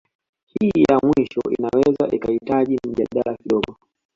Hii ya mwisho inaweza ikahitaji mjadala kidogo